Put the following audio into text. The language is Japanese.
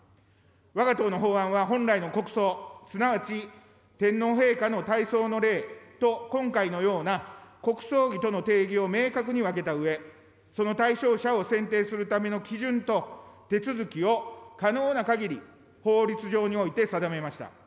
わが党の法案は本来の国葬、すなわち天皇陛下の大喪の礼と今回のような国葬儀との定義を明確に分けたうえ、その対象者を選定するための基準と手続きを可能なかぎり法律上において定めました。